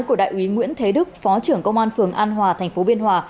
của đại úy nguyễn thế đức phó trưởng công an phường an hòa thành phố biên hòa